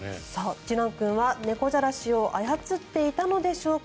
次男君は猫じゃらしを操っていたのでしょうか。